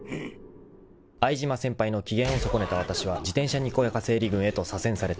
［相島先輩の機嫌を損ねたわたしは自転車にこやか整理軍へと左遷された］